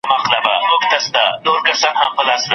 د لارښود استاد ټاکل د محصل په خوښه پورې تړاو لري.